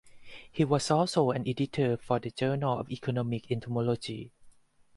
He was also an editor of the "Journal of Economic Entomology".